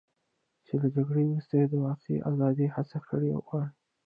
چې له جګړې وروسته یې د واقعي ازادۍ هڅې کړې وې.